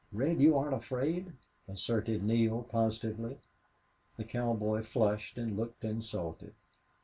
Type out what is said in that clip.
"Red, you aren't afraid," asserted Neale, positively. The cowboy flushed and looked insulted.